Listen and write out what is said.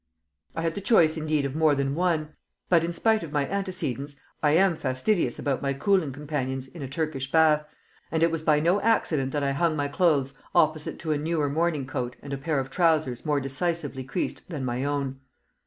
I had the choice indeed of more than one; but in spite of my antecedents I am fastidious about my cooling companions in a Turkish bath, and it was by no accident that I hung my clothes opposite to a newer morning coat and a pair of trousers more decisively creased than my own.